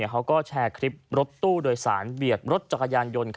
เขาก็แชร์คลิปรถตู้โดยสารเบียดรถจักรยานยนต์